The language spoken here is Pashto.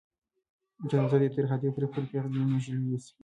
جنازه دې یې تر هدیرې پورې پیغلې نجونې یوسي.